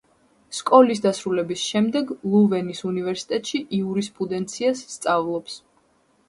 სკოლის დასრულების შემდეგ ლუვენის უნივერსიტეტში იურისპრუდენციას სწავლობს.